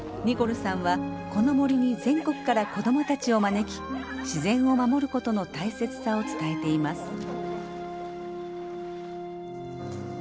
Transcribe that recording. ニコルさんはこの森に全国から子どもたちを招き自然を守ることの大切さを伝えています。